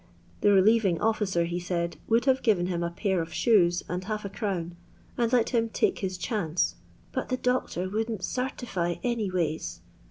The relieving officer, he said, would have given him a pair of shoes and half*a crown, and let him "take his chance, but the doctor wouldn't sartify any ways."